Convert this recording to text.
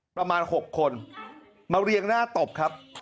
ประมาณ๖คนมาเรียงหน้าตบครับ